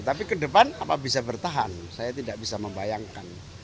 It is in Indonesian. tapi ke depan apa bisa bertahan saya tidak bisa membayangkan